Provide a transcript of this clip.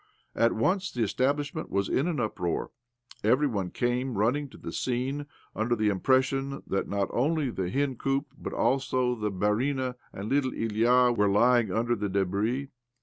At once the establish ment was in an uproar. Every one came running to the scene, under the impression that not only the hencoop, but also the barinia and little Ilya, were lying under the debris.